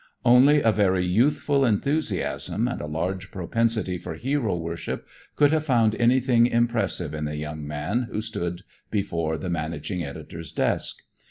Only a very youthful enthusiasm and a large propensity for hero worship could have found anything impressive in the young man who stood before the managing editor's desk.